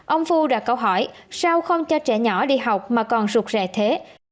ông phu đặt câu hỏi sao không cho trẻ nhỏ đi học mà còn rụt rẻ thế